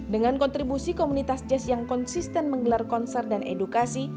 dengan kontribusi komunitas jazz yang konsisten menggelar konser dan edukasi